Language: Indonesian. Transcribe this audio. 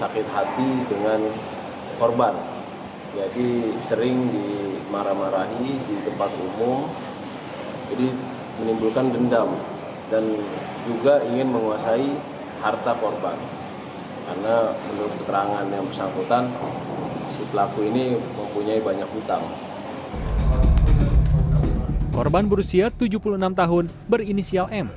korban berusia tujuh puluh enam tahun berinisial m